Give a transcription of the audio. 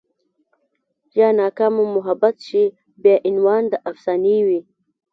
يا ناکامه محبت شي بيا عنوان د افسانې وي